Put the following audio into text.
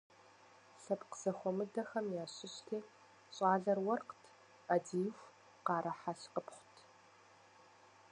Лъэпкъ зэхуэмыдэхэм ящыщти – щӏалэр уэркът, ӏэдииху къарэхьэлкъыпхъут.